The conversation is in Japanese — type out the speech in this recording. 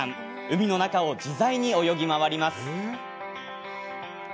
海の中を自在に泳ぎ回ります。